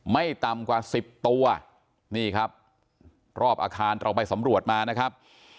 ไม่ต่ำกว่าสิบตัวนี่ครับรอบอาคารเราไปสำรวจมานะครับ